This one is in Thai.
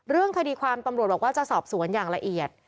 เรื่องคดีความตำรวจบอกว่าจะสอบสวนอย่างละเอียด